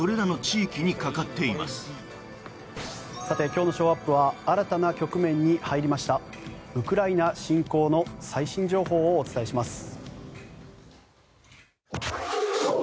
今日のショーアップは新たな局面に入りましたウクライナ侵攻の最新情報をお伝えします。